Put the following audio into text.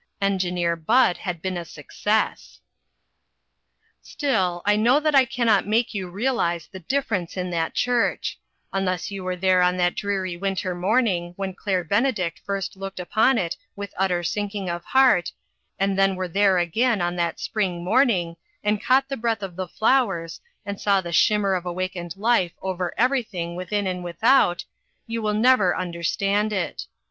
Engineer Bud had been a success. Still, I know that I can not make you realize the difference in that church. Unless 364 INTERRUPTED. you were there on that dreary winter morn ing when Claire Benedict first looked upon it with utter sinking of heart, and then were there again on that spring morning, and caught the breath of the flowers, and saw the shimmer of awakened life over everything within and without, you will never understand it.